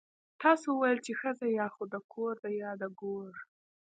تاسو ويل چې ښځه يا خو د کور ده يا د ګور.